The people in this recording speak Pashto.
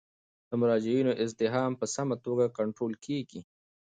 د مراجعینو ازدحام په سمه توګه کنټرول کیږي.